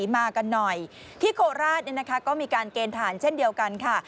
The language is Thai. เมฆโทราชก็มีการเกณฑ์ทหารเช่นเดียวกันค่ะ